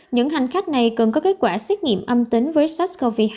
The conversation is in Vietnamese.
những hành khách này cần có kết quả xét nghiệm âm tính với sars cov hai